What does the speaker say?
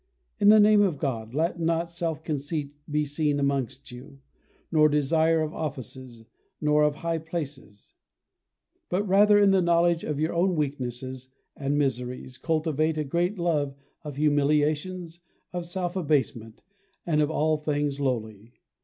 In the name of God, let not self conceit be seen amongst you, nor desire of offices, nor of high places; but rather, in the knowledge of your own weaknesses and miseries, cultivate a great love of humiliations, of self abasement, and of all things lowly.